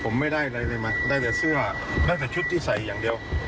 ผมไม่ได้อะไรเลยมาได้แต่เสื้อแม้แต่ชุดที่ใส่อย่างเดียว